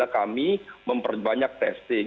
kami memperbanyak testing